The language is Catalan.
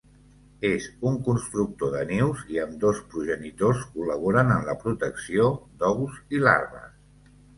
És un constructor de nius i ambdós progenitors col·laboren en la protecció d'ous i larves.